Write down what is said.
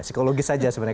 psikologis saja sebenarnya